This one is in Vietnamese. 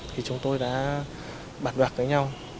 thì chúng tôi đã bạt bạc với nhau